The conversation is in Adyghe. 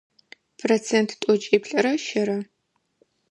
Процент тӏокӏиплӏрэ щырэ .